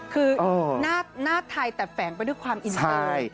คือหน้าไทยแต่แฝงไปด้วยความอินตาย